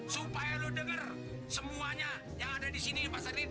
supaya lu denger semuanya yang ada di sini di pasar ini